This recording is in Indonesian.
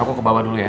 aku kebawah dulu ya